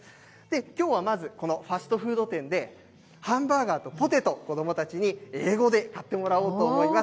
きょうはまず、このファストフード店でハンバーガーとポテト、子どもたちに英語でやってもらおうと思います。